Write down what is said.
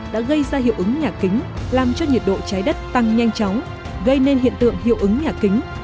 đã gây ra hiệu ứng nhà kính làm cho nhiệt độ trái đất tăng nhanh chóng gây nên hiện tượng hiệu ứng nhà kính